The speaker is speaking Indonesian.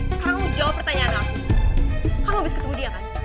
sekarang jawab pertanyaan aku kamu habis ketemu dia kan